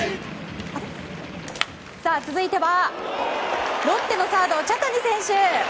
続いては、ロッテのサード茶谷選手。